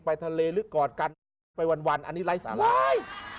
ทะเลหรือกอดกันไปวันอันนี้ไลฟ์สไลด์